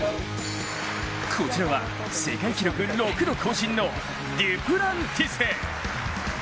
こちらは世界記録６度更新のデュプランティス。